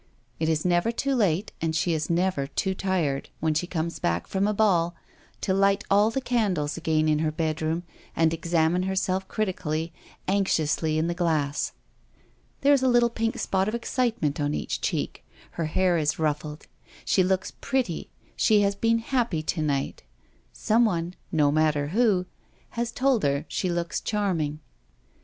It is never too late, and she is never too tired when she comes back from a ball, to light all the candles again in her bedroom and examine herself critically, anxiously, in the glass. There is a little pink spot of excitement on each cheek; her hair is ruffled. She looks pretty, she has been happy to night. Some one — no matter who — has told her she looks charming.